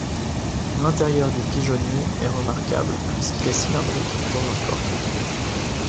L'intérieur du pigeonnier est remarquable puisqu'il est cylindrique dans un corps carré.